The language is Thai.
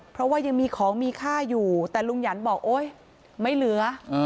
เพราะว่ายังมีของมีค่าอยู่แต่ลุงหยันบอกโอ๊ยไม่เหลือ